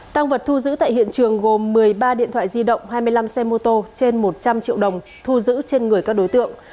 tăng vật thu giữ tại hiện trường gồm một mươi ba điện thoại di động hai mươi năm xe mô tô trên một trăm linh triệu đồng thu giữ trên người các đối tượng